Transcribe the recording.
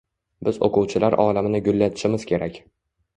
Biz o‘quvchilar olamini gullatishimiz kerak.